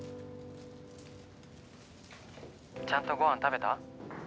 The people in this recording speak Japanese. ちゃんとご飯食べた？